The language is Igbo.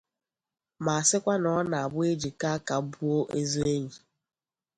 ma sịkwa na ọ na-abụ e jikọọ aka buo ozu enyī